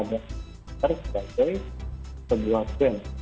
tersebut dari sebuah geng